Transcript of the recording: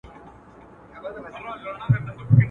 راته ايښي يې گولۍ دي انسانانو.